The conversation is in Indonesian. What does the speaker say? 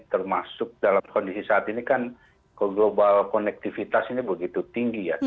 termasuk dalam kondisi saat ini kan global connectivitasnya begitu tinggi